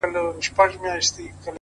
ياره د مُلا په قباله دې سمه”